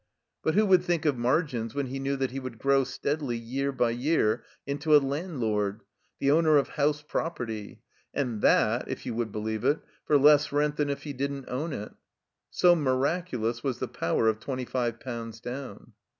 But who would think of margins when he knew that he would grow steadily year by year into a landlord, the owner of house property, and that, if you would believe it, for less rent than if he didn't own it? So miraculous was the power of twenty five pounds down.